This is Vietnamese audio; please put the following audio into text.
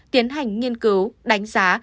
tiến hành nghiên cứu đánh giá